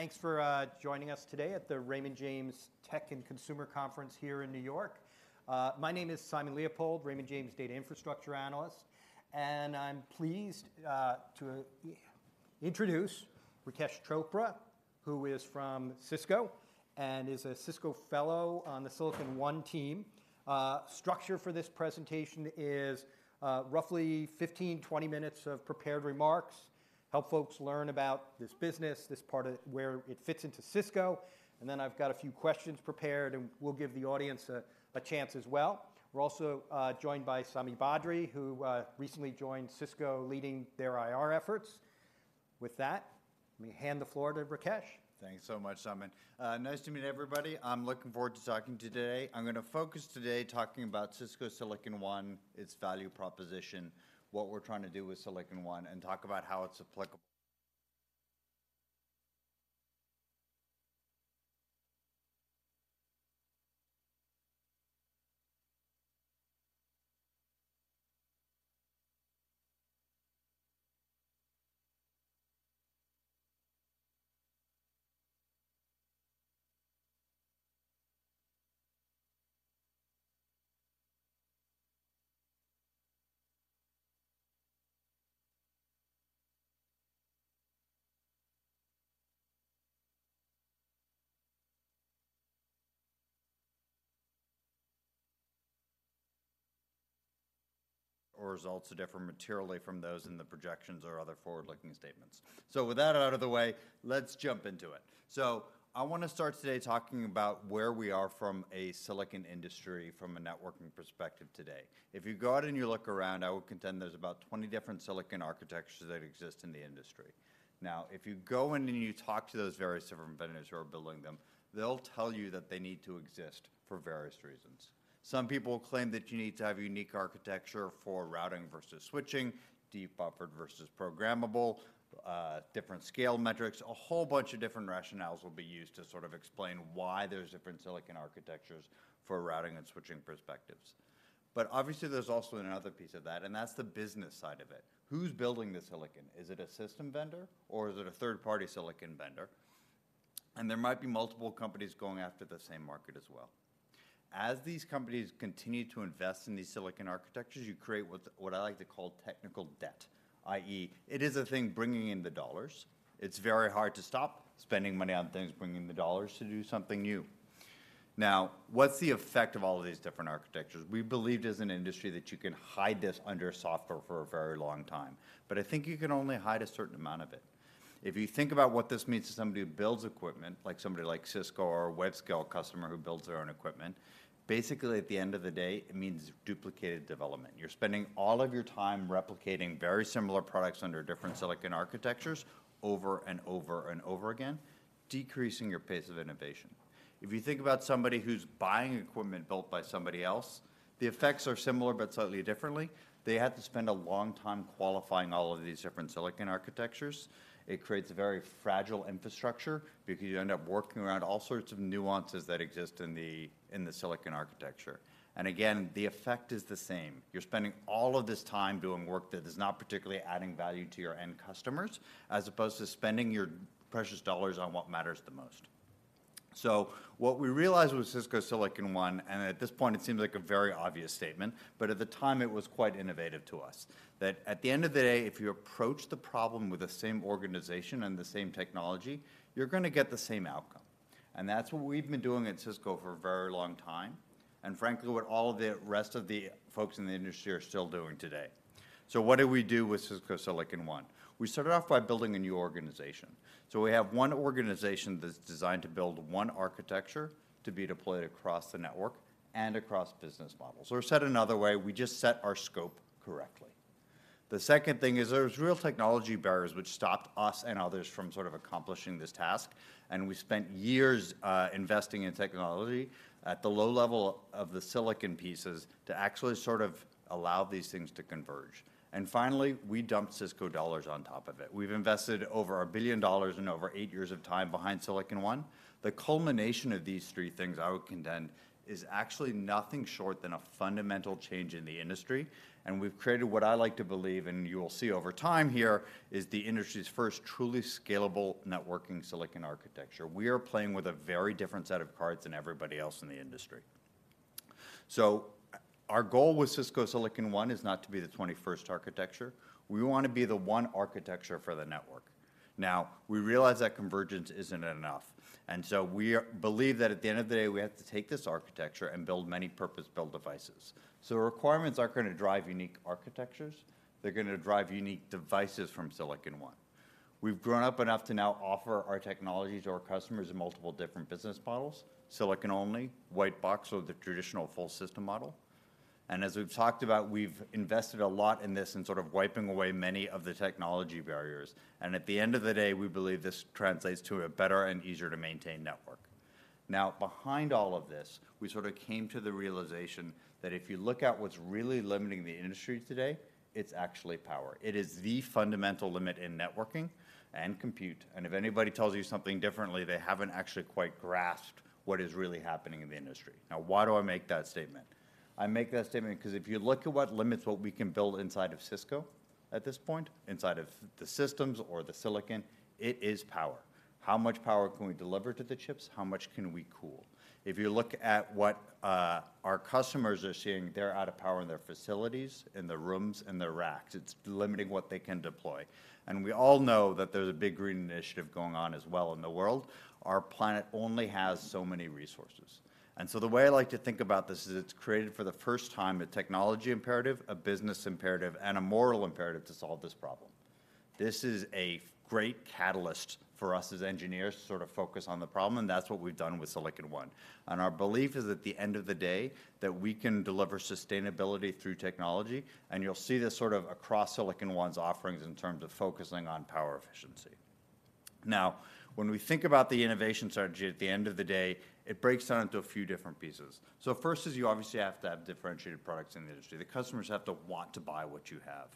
Thanks for joining us today at the Raymond James Tech and Consumer Conference here in New York. My name is Simon Leopold, Raymond James Data Infrastructure Analyst, and I'm pleased to introduce Rakesh Chopra, who is from Cisco and is a Cisco fellow on the Silicon One team. Structure for this presentation is roughly 15-20 minutes of prepared remarks, help folks learn about this business, this part of where it fits into Cisco, and then I've got a few questions prepared, and we'll give the audience a chance as well. We're also joined by Sami Badri, who recently joined Cisco, leading their IR efforts. With that, let me hand the floor to Rakesh. Thanks so much, Simon. Nice to meet everybody. I'm looking forward to talking today. I'm gonna focus today talking about Cisco Silicon One, its value proposition, what we're trying to do with Silicon One, and talk about how it's applicable... or results are different materially from those in the projections or other forward-looking statements. So with that out of the way, let's jump into it. So I wanna start today talking about where we are from a silicon industry from a networking perspective today. If you go out and you look around, I would contend there's about 20 different silicon architectures that exist in the industry. Now, if you go in and you talk to those various different vendors who are building them, they'll tell you that they need to exist for various reasons. Some people will claim that you need to have a unique architecture for routing versus switching, deep buffered versus programmable, different scale metrics. A whole bunch of different rationales will be used to sort of explain why there's different silicon architectures for routing and switching perspectives. But obviously, there's also another piece of that, and that's the business side of it. Who's building the silicon? Is it a system vendor, or is it a third-party silicon vendor? And there might be multiple companies going after the same market as well. As these companies continue to invest in these silicon architectures, you create what I like to call technical debt, i.e., it is a thing bringing in the dollars. It's very hard to stop spending money on things bringing the dollars to do something new. Now, what's the effect of all of these different architectures? We believed as an industry that you can hide this under software for a very long time, but I think you can only hide a certain amount of it. If you think about what this means to somebody who builds equipment, like somebody like Cisco or a web-scale customer who builds their own equipment, basically, at the end of the day, it means duplicated development. You're spending all of your time replicating very similar products under different silicon architectures over and over and over again, decreasing your pace of innovation. If you think about somebody who's buying equipment built by somebody else, the effects are similar, but slightly differently. They have to spend a long time qualifying all of these different silicon architectures. It creates a very fragile infrastructure because you end up working around all sorts of nuances that exist in the silicon architecture. And again, the effect is the same. You're spending all of this time doing work that is not particularly adding value to your end customers, as opposed to spending your precious dollars on what matters the most. So what we realized with Cisco Silicon One, and at this point, it seems like a very obvious statement, but at the time, it was quite innovative to us, that at the end of the day, if you approach the problem with the same organization and the same technology, you're gonna get the same outcome. And that's what we've been doing at Cisco for a very long time, and frankly, what all the rest of the folks in the industry are still doing today. So what did we do with Cisco Silicon One? We started off by building a new organization. So we have one organization that's designed to build one architecture to be deployed across the network and across business models. Or said another way, we just set our scope correctly. The second thing is, there's real technology barriers which stopped us and others from sort of accomplishing this task, and we spent years investing in technology at the low level of the silicon pieces to actually sort of allow these things to converge. And finally, we dumped Cisco dollars on top of it. We've invested over $1 billion and over eight years of time behind Silicon One. The culmination of these three things, I would contend, is actually nothing short than a fundamental change in the industry, and we've created what I like to believe, and you will see over time here, is the industry's first truly scalable networking silicon architecture. We are playing with a very different set of cards than everybody else in the industry. So our goal with Cisco Silicon One is not to be the twenty-first architecture. We wanna be the one architecture for the network. Now, we realize that convergence isn't enough, and so we believe that at the end of the day, we have to take this architecture and build many purpose-built devices. So requirements are gonna drive unique architectures. They're gonna drive unique devices from Silicon One. We've grown up enough to now offer our technologies to our customers in multiple different business models: silicon only, white box, or the traditional full system model. And as we've talked about, we've invested a lot in this in sort of wiping away many of the technology barriers, and at the end of the day, we believe this translates to a better and easier-to-maintain network. Now, behind all of this, we sort of came to the realization that if you look at what's really limiting the industry today, it's actually power. It is the fundamental limit in networking and compute, and if anybody tells you something differently, they haven't actually quite grasped what is really happening in the industry. Now, why do I make that statement? I make that statement because if you look at what limits what we can build inside of Cisco at this point, inside of the systems or the silicon, it is power. How much power can we deliver to the chips? How much can we cool? If you look at what our customers are seeing, they're out of power in their facilities, in their rooms, in their racks. It's limiting what they can deploy. We all know that there's a big green initiative going on as well in the world. Our planet only has so many resources. So the way I like to think about this is it's created, for the first time, a technology imperative, a business imperative, and a moral imperative to solve this problem. This is a great catalyst for us as engineers to sort of focus on the problem, and that's what we've done with Silicon One. Our belief is, at the end of the day, that we can deliver sustainability through technology, and you'll see this sort of across Silicon One's offerings in terms of focusing on power efficiency. Now, when we think about the innovation strategy, at the end of the day, it breaks down into a few different pieces. First is you obviously have to have differentiated products in the industry. The customers have to want to buy what you have,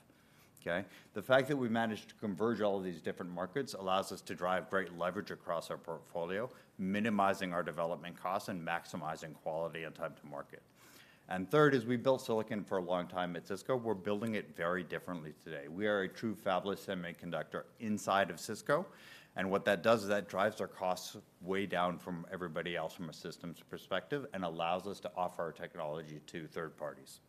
okay? The fact that we managed to converge all of these different markets allows us to drive great leverage across our portfolio, minimizing our development costs and maximizing quality and time to market. Third is we've built silicon for a long time at Cisco. We're building it very differently today. We are a true fabless semiconductor inside of Cisco, and what that does is that drives our costs way down from everybody else from a systems perspective and allows us to offer our technology to third parties.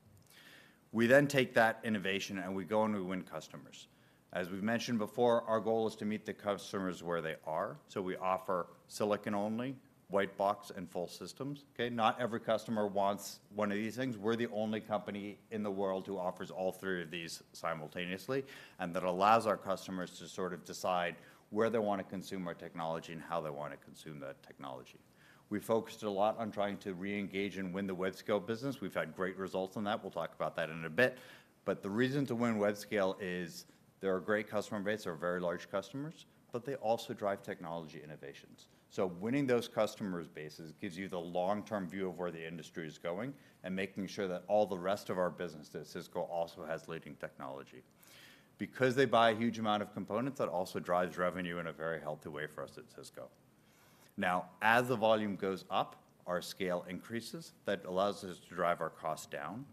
We then take that innovation, and we go and we win customers. As we've mentioned before, our goal is to meet the customers where they are, so we offer silicon only, white box, and full systems, okay? Not every customer wants one of these things. We're the only company in the world who offers all three of these simultaneously, and that allows our customers to sort of decide where they want to consume our technology and how they want to consume that technology. We've focused a lot on trying to reengage and win the web scale business. We've had great results on that. We'll talk about that in a bit. But the reason to win web scale is they're a great customer base, they're very large customers, but they also drive technology innovations. So winning those customers bases gives you the long-term view of where the industry is going and making sure that all the rest of our business at Cisco also has leading technology. Because they buy a huge amount of components, that also drives revenue in a very healthy way for us at Cisco. Now, as the volume goes up, our scale increases. That allows us to drive our cost down,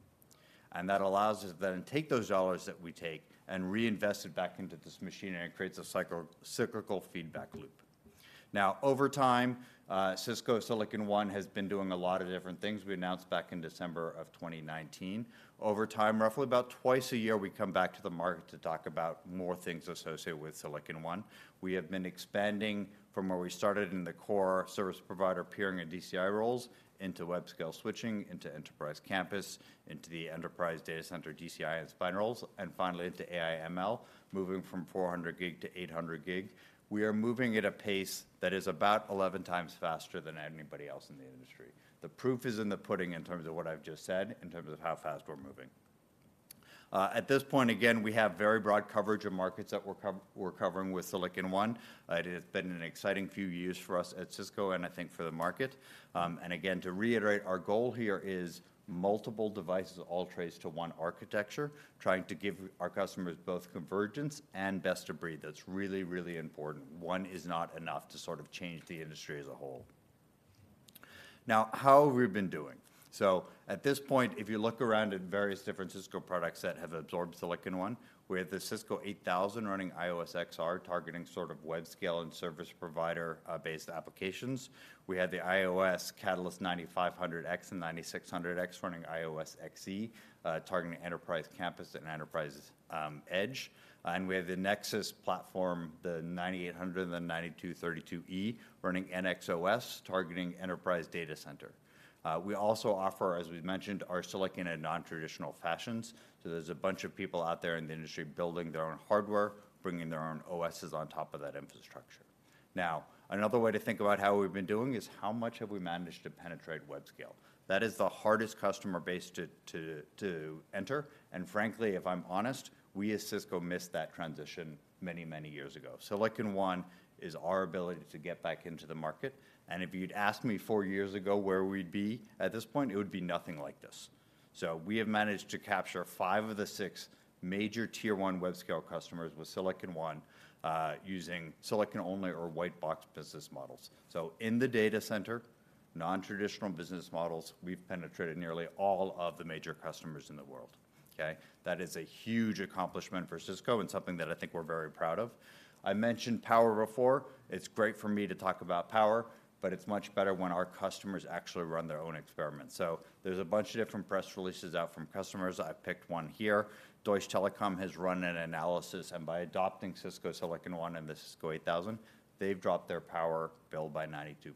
and that allows us to then take those dollars that we take and reinvest it back into this machine, and it creates a cyclical feedback loop. Now, over time, Cisco Silicon One has been doing a lot of different things. We announced back in December of 2019. Over time, roughly about twice a year, we come back to the market to talk about more things associated with Silicon One. We have been expanding from where we started in the core service provider peering and DCI roles into web scale switching, into enterprise campus, into the enterprise data center, DCI and spine roles, and finally into AI/ML, moving from 400 gig to 800 gig. We are moving at a pace that is about 11x faster than anybody else in the industry. The proof is in the pudding in terms of what I've just said, in terms of how fast we're moving. At this point, again, we have very broad coverage of markets that we're covering with Silicon One. It has been an exciting few years for us at Cisco and I think for the market. And again, to reiterate, our goal here is multiple devices of all trace to one architecture, trying to give our customers both convergence and best of breed. That's really, really important. One is not enough to sort of change the industry as a whole. Now, how have we been doing? At this point, if you look around at various different Cisco products that have absorbed Silicon One, we have the Cisco 8000 running IOS XR, targeting sort of web scale and service provider based applications. We have the IOS Catalyst 9500X and 9600X running IOS XE, targeting enterprise campus and enterprise edge. We have the Nexus platform, the 9800 and the 9232E, running NX-OS, targeting enterprise data center. We also offer, as we've mentioned, our silicon in non-traditional fashions. So there's a bunch of people out there in the industry building their own hardware, bringing their own OSes on top of that infrastructure. Now, another way to think about how we've been doing is how much have we managed to penetrate web-scale. That is the hardest customer base to enter, and frankly, if I'm honest, we as Cisco missed that transition many, many years ago. Silicon One is our ability to get back into the market, and if you'd asked me four years ago where we'd be at this point, it would be nothing like this. So we have managed to capture five of the six major tier one web-scale customers with Silicon One, using silicon only or white box business models. So in the data center, non-traditional business models, we've penetrated nearly all of the major customers in the world, okay? That is a huge accomplishment for Cisco and something that I think we're very proud of. I mentioned power before. It's great for me to talk about power, but it's much better when our customers actually run their own experiments. So there's a bunch of different press releases out from customers. I've picked one here. Deutsche Telekom has run an analysis, and by adopting Cisco Silicon One and the Cisco 8000, they've dropped their power bill by 92%.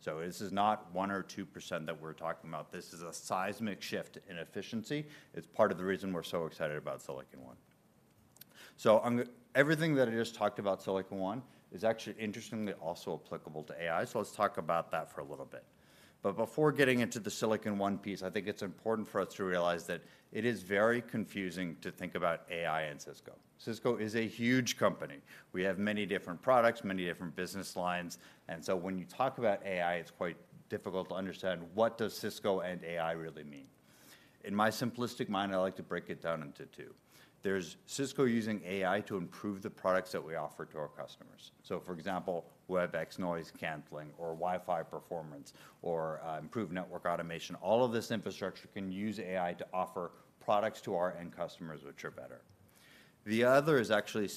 So this is not 1% or 2% that we're talking about. This is a seismic shift in efficiency. It's part of the reason we're so excited about Silicon One. Everything that I just talked about Silicon One is actually interestingly also applicable to AI, so let's talk about that for a little bit. But before getting into the Silicon One piece, I think it's important for us to realize that it is very confusing to think about AI and Cisco. Cisco is a huge company. We have many different products, many different business lines, and so when you talk about AI, it's quite difficult to understand what does Cisco and AI really mean?... In my simplistic mind, I like to break it down into two. There's Cisco using AI to improve the products that we offer to our customers. So for example, Webex noise canceling, or Wi-Fi performance, or improved network automation. All of this infrastructure can use AI to offer products to our end customers, which are better. The other is actually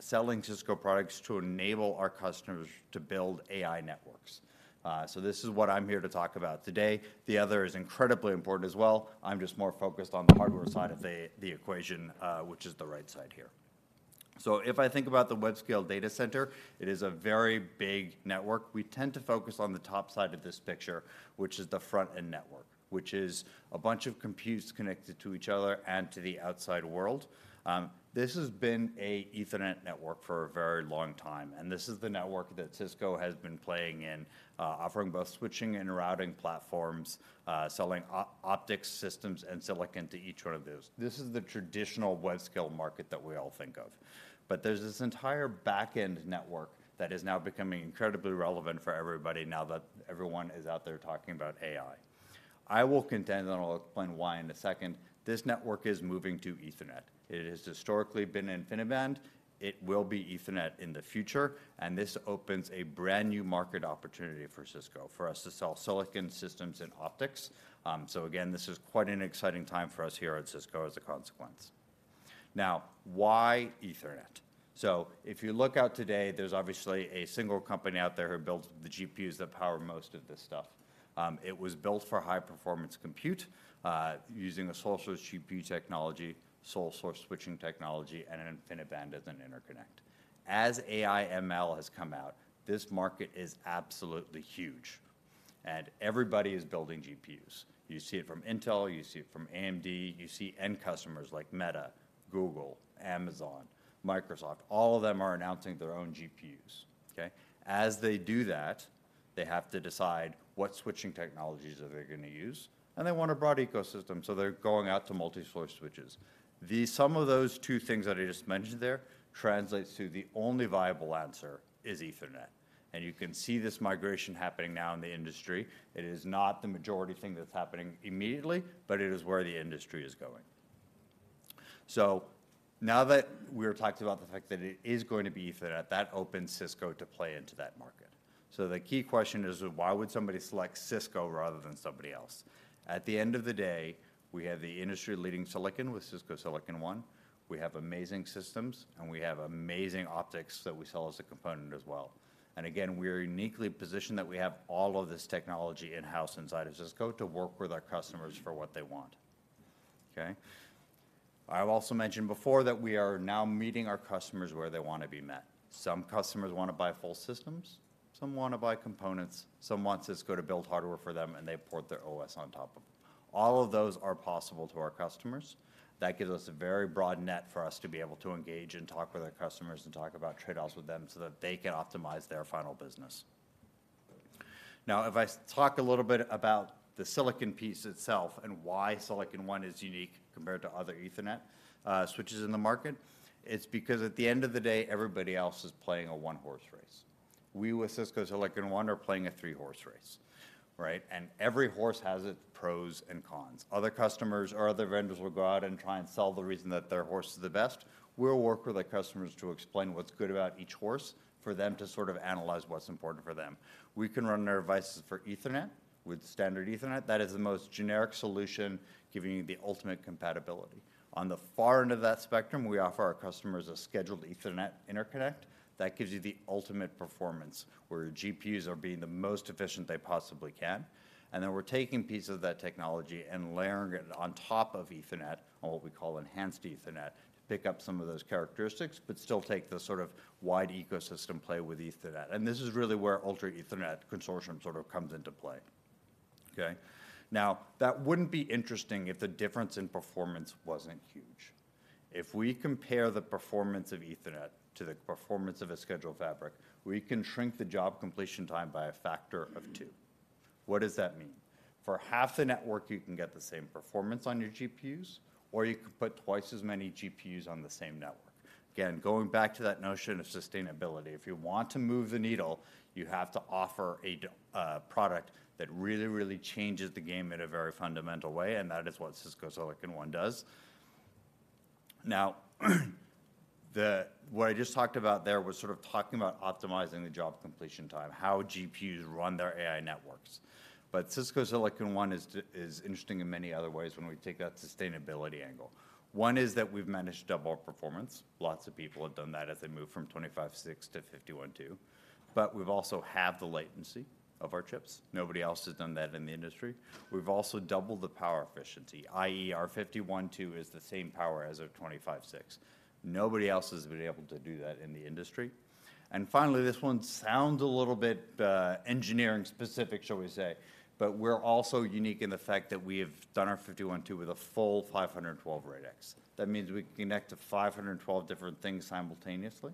selling Cisco products to enable our customers to build AI networks. So this is what I'm here to talk about today. The other is incredibly important as well. I'm just more focused on the hardware side of the equation, which is the right side here. So if I think about the web-scale data center, it is a very big network. We tend to focus on the top side of this picture, which is the front-end network, which is a bunch of computes connected to each other and to the outside world. This has been a Ethernet network for a very long time, and this is the network that Cisco has been playing in, offering both switching and routing platforms, selling optics systems and silicon to each one of those. This is the traditional web-scale market that we all think of. But there's this entire back-end network that is now becoming incredibly relevant for everybody now that everyone is out there talking about AI. I will contend, and I'll explain why in a second, this network is moving to Ethernet. It has historically been InfiniBand, it will be Ethernet in the future, and this opens a brand-new market opportunity for Cisco, for us to sell silicon systems and optics. So again, this is quite an exciting time for us here at Cisco as a consequence. Now, why Ethernet? So if you look out today, there's obviously a single company out there who builds the GPUs that power most of this stuff. It was built for high-performance compute, using a sole source GPU technology, sole source switching technology, and an InfiniBand as an interconnect. As AI ML has come out, this market is absolutely huge, and everybody is building GPUs. You see it from Intel, you see it from AMD, you see end customers like Meta, Google, Amazon, Microsoft, all of them are announcing their own GPUs, okay? As they do that, they have to decide what switching technologies are they gonna use, and they want a broad ecosystem, so they're going out to multi-source switches. The sum of those two things that I just mentioned there translates to the only viable answer is Ethernet, and you can see this migration happening now in the industry. It is not the majority thing that's happening immediately, but it is where the industry is going. So now that we've talked about the fact that it is going to be Ethernet, that opens Cisco to play into that market. So the key question is, why would somebody select Cisco rather than somebody else? At the end of the day, we have the industry-leading silicon with Cisco Silicon One, we have amazing systems, and we have amazing optics that we sell as a component as well. Again, we're uniquely positioned that we have all of this technology in-house inside of Cisco to work with our customers for what they want, okay? I've also mentioned before that we are now meeting our customers where they wanna be met. Some customers wanna buy full systems, some wanna buy components, some want Cisco to build hardware for them, and they port their OS on top of them. All of those are possible to our customers. That gives us a very broad net for us to be able to engage and talk with our customers and talk about trade-offs with them, so that they can optimize their final business. Now, if I talk a little bit about the silicon piece itself and why Silicon One is unique compared to other Ethernet switches in the market, it's because at the end of the day, everybody else is playing a one-horse race. We, with Cisco Silicon One, are playing a three-horse race, right? And every horse has its pros and cons. Other customers or other vendors will go out and try and sell the reason that their horse is the best. We'll work with the customers to explain what's good about each horse, for them to sort of analyze what's important for them. We can run their devices for Ethernet, with standard Ethernet. That is the most generic solution, giving you the ultimate compatibility. On the far end of that spectrum, we offer our customers a scheduled Ethernet interconnect that gives you the ultimate performance, where GPUs are being the most efficient they possibly can. And then we're taking pieces of that technology and layering it on top of Ethernet, or what we call enhanced Ethernet, to pick up some of those characteristics, but still take the sort of wide ecosystem play with Ethernet. And this is really where Ultra Ethernet Consortium sort of comes into play, okay? Now, that wouldn't be interesting if the difference in performance wasn't huge. If we compare the performance of Ethernet to the performance of a scheduled fabric, we can shrink the job completion time by a factor of two. What does that mean? For half the network, you can get the same performance on your GPUs, or you can put twice as many GPUs on the same network. Again, going back to that notion of sustainability, if you want to move the needle, you have to offer a product that really, really changes the game in a very fundamental way, and that is what Cisco Silicon One does. Now, what I just talked about there was sort of talking about optimizing the job completion time, how GPUs run their AI networks. But Cisco Silicon One is interesting in many other ways when we take that sustainability angle. One is that we've managed to double our performance. Lots of people have done that as they move from 25.6 to 51.2, but we've also halved the latency of our chips. Nobody else has done that in the industry. We've also doubled the power efficiency, i.e., our 51.2 is the same power as our 25.6. Nobody else has been able to do that in the industry. And finally, this one sounds a little bit, engineering-specific, shall we say, but we're also unique in the fact that we have done our 51.2 with a full 512 radix. That means we can connect to 512 different things simultaneously,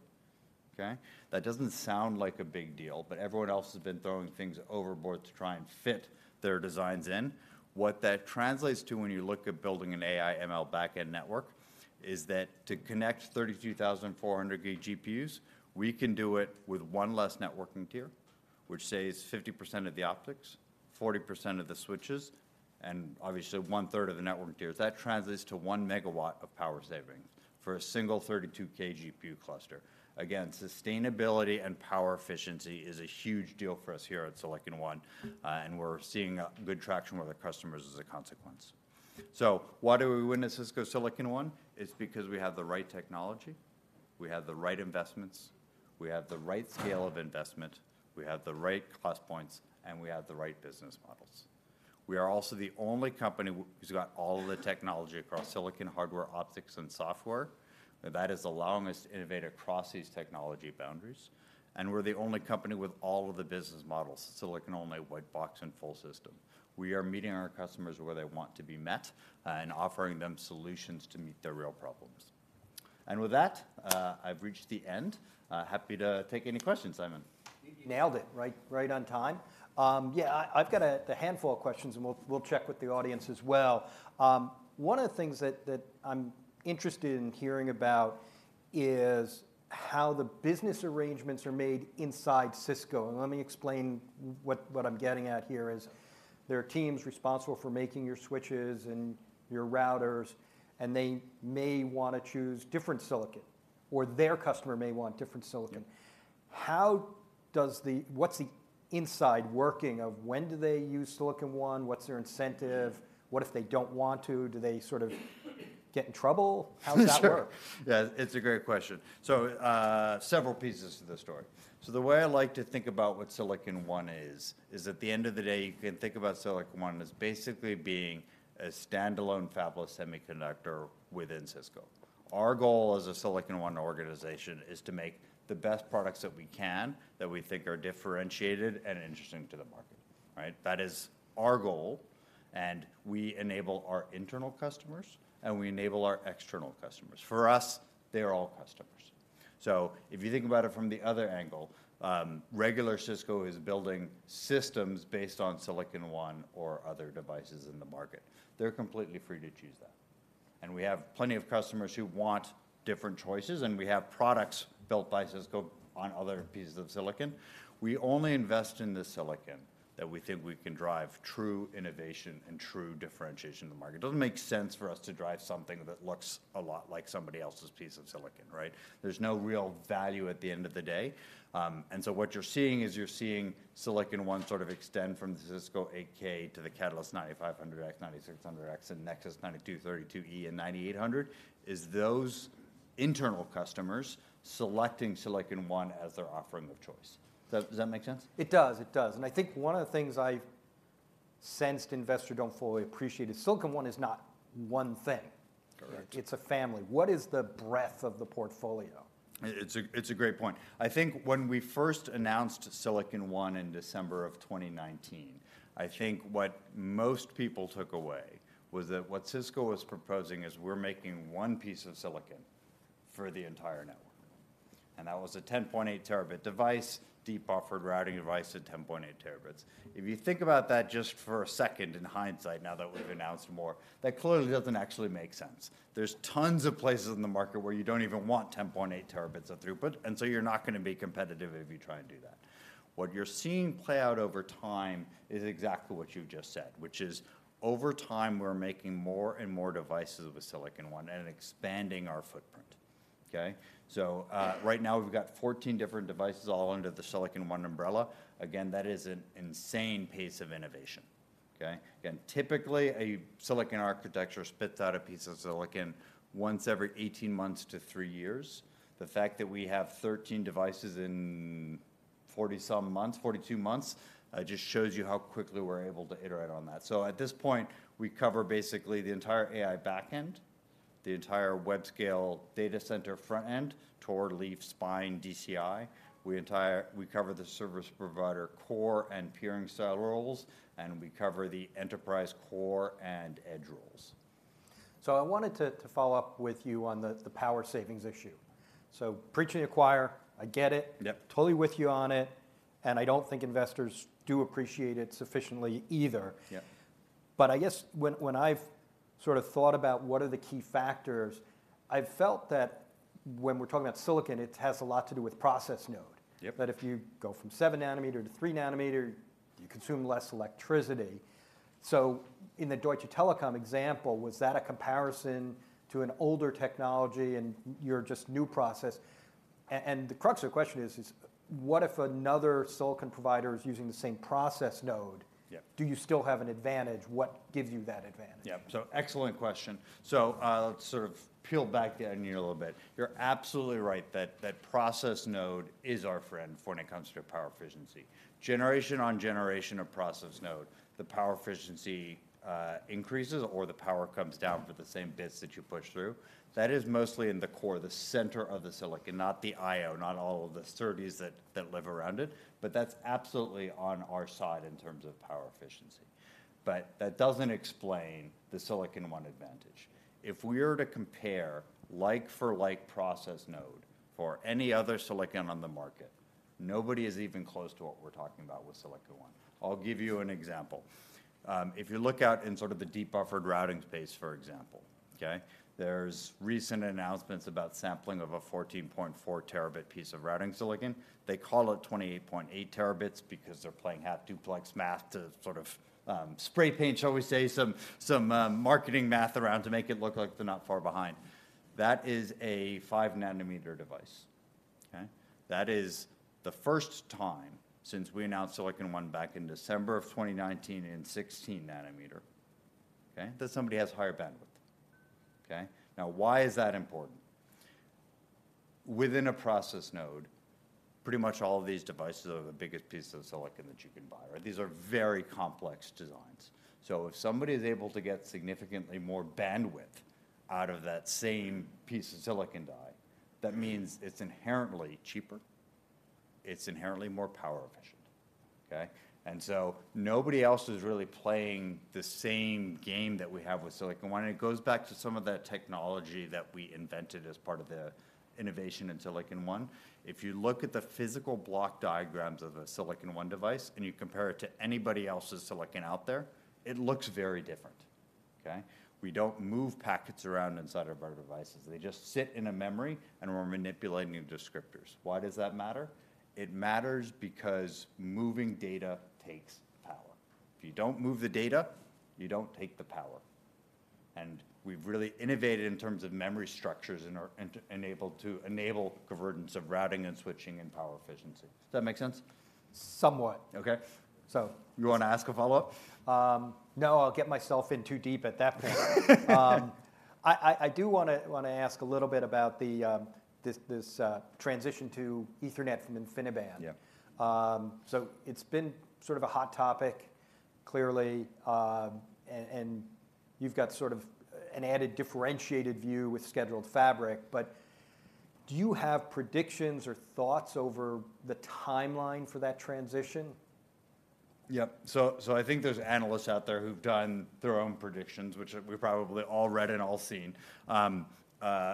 okay? That doesn't sound like a big deal, but everyone else has been throwing things overboard to try and fit their designs in. What that translates to when you look at building an AI ML back-end network, is that to connect 32,408 GPUs, we can do it with one less networking tier. which saves 50% of the optics, 40% of the switches, and obviously one-third of the network tiers. That translates to 1 MW of power savings for a single 32K GPU cluster. Again, sustainability and power efficiency is a huge deal for us here at Cisco Silicon One, and we're seeing good traction with our customers as a consequence. So why do we win at Cisco Silicon One? It's because we have the right technology, we have the right investments, we have the right scale of investment, we have the right cost points, and we have the right business models. We are also the only company who's got all of the technology across silicon, hardware, optics, and software, and that is allowing us to innovate across these technology boundaries. And we're the only company with all of the business models: silicon-only, white box, and full system. We are meeting our customers where they want to be met, and offering them solutions to meet their real problems. With that, I've reached the end. Happy to take any questions, Simon. You nailed it. Right, right on time. Yeah, I've got a handful of questions, and we'll check with the audience as well. One of the things that I'm interested in hearing about is how the business arrangements are made inside Cisco, and let me explain what I'm getting at here is, there are teams responsible for making your switches and your routers, and they may wanna choose different silicon, or their customer may want different silicon. Yep. How does the... What's the inside working of when do they use Silicon One? What's their incentive? Mm. What if they don't want to? Do they sort of get in trouble? Sure. How does that work? Yeah, it's a great question. So, several pieces to the story. So the way I like to think about what Silicon One is, is at the end of the day, you can think about Silicon One as basically being a standalone fabless semiconductor within Cisco. Our goal as a Silicon One organization is to make the best products that we can, that we think are differentiated and interesting to the market, right? That is our goal, and we enable our internal customers, and we enable our external customers. For us, they are all customers. So if you think about it from the other angle, regular Cisco is building systems based on Silicon One or other devices in the market. They're completely free to choose that. And we have plenty of customers who want different choices, and we have products built by Cisco on other pieces of silicon. We only invest in the silicon that we think we can drive true innovation and true differentiation in the market. It doesn't make sense for us to drive something that looks a lot like somebody else's piece of silicon, right? There's no real value at the end of the day. And so what you're seeing is you're seeing Silicon One sort of extend from the Cisco 8000 to the Catalyst 9500X, 9600X, and Nexus 9232E, and 9800, is those internal customers selecting Silicon One as their offering of choice. Does that make sense? It does. It does. And I think one of the things I've sensed investors don't fully appreciate is Silicon One is not one thing. Correct. It's a family. What is the breadth of the portfolio? It's a great point. I think when we first announced Silicon One in December of 2019, I think what most people took away was that what Cisco was proposing is we're making one piece of silicon for the entire network, and that was a 10.8 Tb device, deep buffered routing device at 10.8 Tb. If you think about that just for a second in hindsight, now that we've announced more, that clearly doesn't actually make sense. There's tons of places in the market where you don't even want 10.8 Tb of throughput, and so you're not gonna be competitive if you try and do that. What you're seeing play out over time is exactly what you've just said, which is, over time, we're making more and more devices with Silicon One and expanding our footprint. Okay? So, right now we've got 14 different devices all under the Silicon One umbrella. Again, that is an insane pace of innovation, okay? Again, typically, a silicon architecture spits out a piece of silicon once every 18 months to three years. The fact that we have 13 devices in 40-some months, 42 months, just shows you how quickly we're able to iterate on that. So at this point, we cover basically the entire AI back end, the entire web scale data center front end, toward leaf spine DCI. We cover the service provider core and peering cell roles, and we cover the enterprise core and edge roles. So I wanted to follow up with you on the power savings issue. So preaching to the choir, I get it. Yep. Totally with you on it, and I don't think investors do appreciate it sufficiently either. Yeah. I guess when I've sort of thought about what are the key factors, I've felt that when we're talking about silicon, it has a lot to do with process node. Yep. That if you go from 7-nanometer to 3-nanometer, you consume less electricity. So in the Deutsche Telekom example, was that a comparison to an older technology and your just new process? And the crux of the question is, what if another silicon provider is using the same process node- Yeah ... do you still have an advantage? What gives you that advantage? Yeah. So excellent question. So, let's sort of peel back the onion a little bit. You're absolutely right that, that process node is our friend when it comes to power efficiency. Generation on generation of process node, the power efficiency increases, or the power comes down for the same bits that you push through. That is mostly in the core, the center of the silicon, not the I/O, not all of the SerDes that, that live around it, but that's absolutely on our side in terms of power efficiency. But that doesn't explain the Silicon One advantage. If we were to compare like for like process node for any other silicon on the market, nobody is even close to what we're talking about with Silicon One. I'll give you an example. If you look out in sort of the deep buffered routing space, for example, okay? There's recent announcements about sampling of a 14.4 Tb piece of routing silicon. They call it 28.8 Tb because they're playing half duplex math to sort of, spray paint, shall we say, some, some, marketing math around to make it look like they're not far behind. That is a 5 nanometer device, okay? That is the first time since we announced Silicon One back in December of 2019 in 16 nanometer, okay, that somebody has higher bandwidth. Okay? Now, why is that important? Within a process node, pretty much all of these devices are the biggest piece of silicon that you can buy, right? These are very complex designs. So if somebody is able to get significantly more bandwidth out of that same piece of silicon die, that means it's inherently cheaper, it's inherently more power efficient, okay? Nobody else is really playing the same game that we have with Silicon One, and it goes back to some of the technology that we invented as part of the innovation in Silicon One. If you look at the physical block diagrams of a Silicon One device, and you compare it to anybody else's silicon out there, it looks very different, okay? We don't move packets around inside of our devices. They just sit in a memory, and we're manipulating the descriptors. Why does that matter? It matters because moving data takes power. If you don't move the data, you don't take the power, and we've really innovated in terms of memory structures and enabled to enable convergence of routing and switching and power efficiency. Does that make sense? Somewhat. Okay. So you wanna ask a follow-up? No, I'll get myself in too deep at that point. I do wanna ask a little bit about the transition to Ethernet from InfiniBand. Yeah. So it's been sort of a hot topic, clearly, and you've got sort of an added differentiated view with Scheduled Fabric, but do you have predictions or thoughts over the timeline for that transition? Yep. So I think there's analysts out there who've done their own predictions, which we've probably all read and all seen,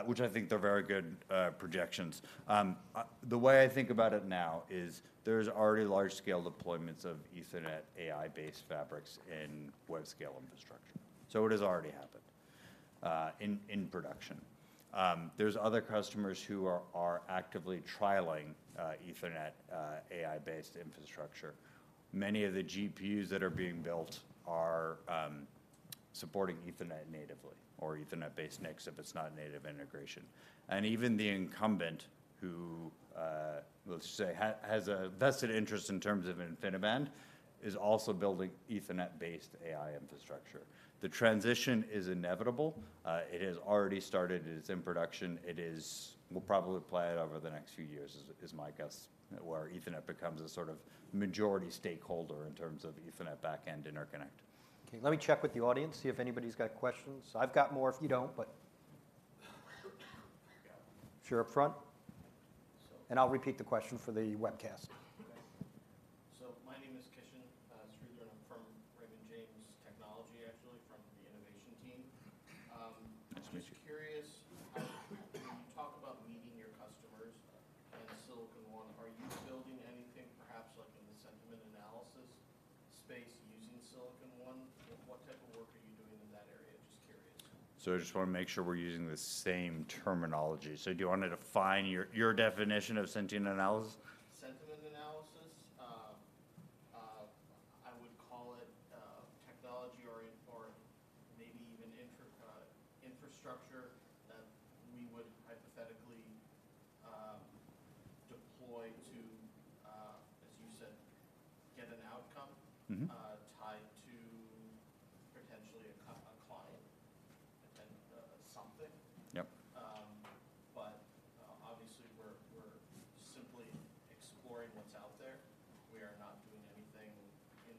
which I think they're very good projections. The way I think about it now is there's already large-scale deployments of Ethernet AI-based fabrics in web-scale infrastructure. So it has already happened in production. There's other customers who are actively trialing Ethernet AI-based infrastructure. Many of the GPUs that are being built are supporting Ethernet natively or Ethernet-based NICs, if it's not a native integration. And even the incumbent, who let's just say has a vested interest in terms of InfiniBand, is also building Ethernet-based AI infrastructure. The transition is inevitable. It has already started, it's in production. It is... will probably play out over the next few years, is, is my guess, where Ethernet becomes a sort of majority stakeholder in terms of Ethernet backend interconnect. Okay, let me check with the audience, see if anybody's got questions. I've got more if you don't, but- Yeah. If you're up front. So- I'll repeat the question for the webcast.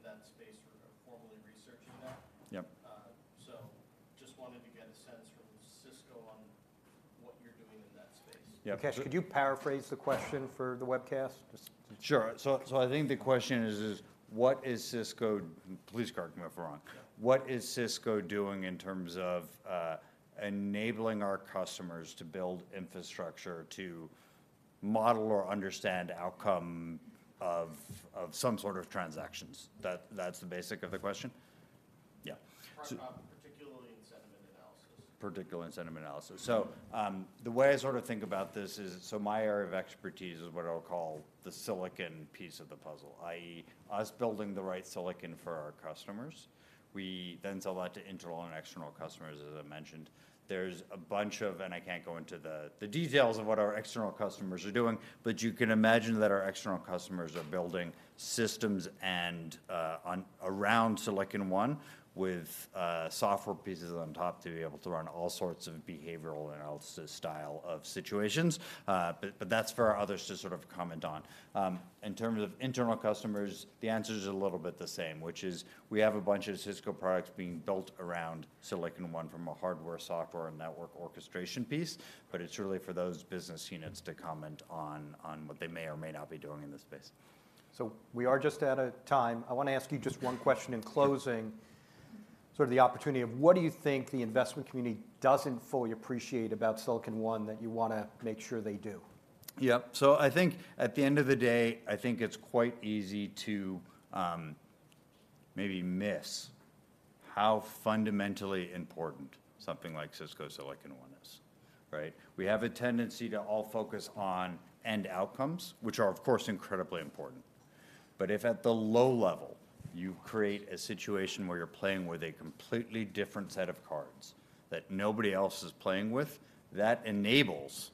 Sentiment analysis? I would call it, technology or maybe even intra infrastructure that we would hypothetically deploy to, as you said, get an outcome- Mm-hmm... tied to potentially a client and something. Yep. But obviously we're simply exploring what's out there. We are not doing anything in that space or formally researching that. Yep. Just wanted to get a sense from Cisco on what you're doing in that space. Yeah. Kishan, could you paraphrase the question for the webcast? Just- Sure. So, I think the question is: what is Cisco? Please correct me if I'm wrong. Yeah. What is Cisco doing in terms of enabling our customers to build infrastructure to model or understand outcome of some sort of transactions? That's the basic of the question? Yeah, so- Talking about particularly in sentiment analysis. Particularly in sentiment analysis. Mm-hmm. So, the way I sort of think about this is, so my area of expertise is what I'll call the silicon piece of the puzzle, i.e., us building the right silicon for our customers. We then sell that to internal and external customers, as I mentioned. There's a bunch of... I can't go into the details of what our external customers are doing, but you can imagine that our external customers are building systems and on around Silicon One with software pieces on top to be able to run all sorts of behavioral analysis style of situations. But that's for others to sort of comment on. In terms of internal customers, the answer is a little bit the same, which is we have a bunch of Cisco products being built around Silicon One from a hardware, software, and network orchestration piece, but it's really for those business units to comment on what they may or may not be doing in this space. So we are just out of time. I wanna ask you just one question in closing. Sure. Sort of the opportunity of what do you think the investment community doesn't fully appreciate about Silicon One that you wanna make sure they do? Yep. So I think at the end of the day, I think it's quite easy to maybe miss how fundamentally important something like Cisco Silicon One is, right? We have a tendency to all focus on end outcomes, which are, of course, incredibly important. But if at the low level, you create a situation where you're playing with a completely different set of cards that nobody else is playing with, that enables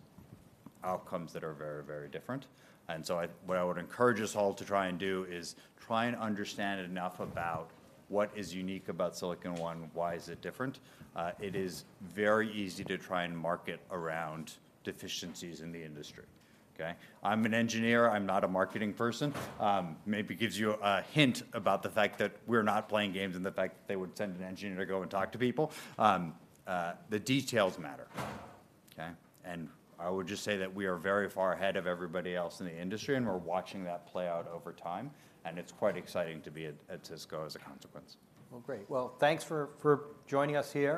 outcomes that are very, very different. And so I, what I would encourage us all to try and do is try and understand enough about what is unique about Silicon One, why is it different? It is very easy to try and market around deficiencies in the industry, okay? I'm an engineer, I'm not a marketing person. Maybe gives you a hint about the fact that we're not playing games and the fact that they would send an engineer to go and talk to people. The details matter, okay? I would just say that we are very far ahead of everybody else in the industry, and we're watching that play out over time, and it's quite exciting to be at, at Cisco as a consequence. Well, great. Well, thanks for joining us here.